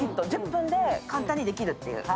１０分で簡単にできるっていう。